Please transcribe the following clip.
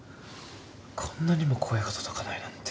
こんなにも声が届かないなんて